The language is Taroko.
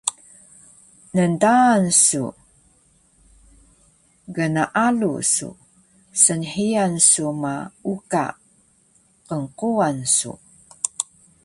ndaan su, gnaalu su, snhiyan su ma uka qnquwan su